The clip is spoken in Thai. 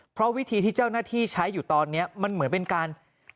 เพราะวิธีที่เจ้าหน้าที่ใช้อยู่ตอนนี้มันเหมือนเป็นการ